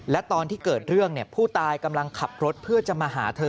และตอนที่เกิดเรื่องผู้ตายกำลังขับรถเพื่อจะมาหาเธอ